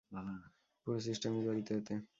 পুরো সিস্টেমই জড়িত এতে।